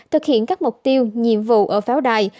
thực hiện các mục tiêu nhiệm vụ ở pháo đài